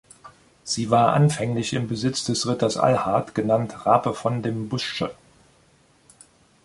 Sie war anfänglich im Besitz des Ritters Alhard, genannt Rape von dem Bussche.